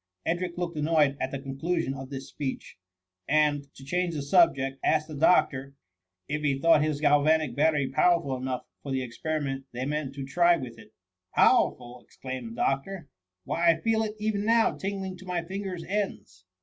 Edric looked annoyed at the conclusion of 114 THB MUMMY. this speech, and, to change the subject, asked the doctor, if he thought his galvanic battery^ powerful enough (or the experiment they meant to try with it. "Powerful!" exclaimed the doctor; " why I feel it even now tingling to my fingers' ends.